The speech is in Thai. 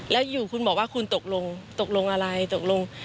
แล้วอยู่คุณบอกว่าคุณตกลงตกลงอะไรตกลง